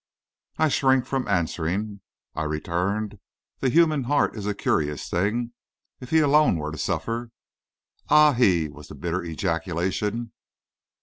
"I shrink from answering," I returned; "the human heart is a curious thing. If he alone were to suffer " "Ah, he!" was the bitter ejaculation.